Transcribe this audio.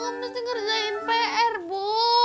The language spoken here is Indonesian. bunga mesti kerjain pr bu